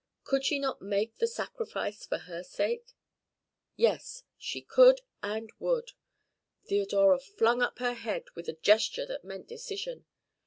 Could she not make the sacrifice for her sake? Yes, she could and would. Theodora flung up her head with a gesture that meant decision.